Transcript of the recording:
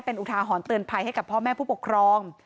เป็นอุทาหรณ์เตือนภัยให้กับพ่อแม่ผู้ปกครอง